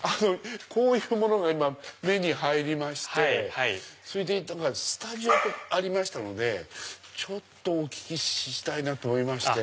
こういうものが今目に入りましてそれでスタジオとありましたのでお聞きしたいなと思いまして。